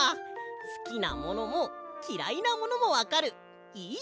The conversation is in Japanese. すきなものもきらいなものもわかるいい